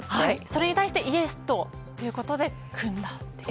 それに対してイエスということで組んだと。